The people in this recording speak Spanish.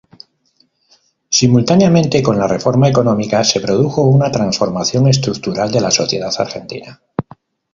Simultáneamente con la reforma económica se produjo una transformación estructural de la sociedad argentina.